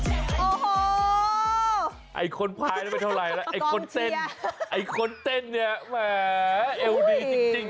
ไอ้คนพายนั้นไม่เท่าไหร่แล้วไอ้คนเต้นไอ้คนเต้นเนี่ยแหมเอวดีจริง